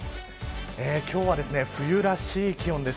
今日は冬らしい気温です。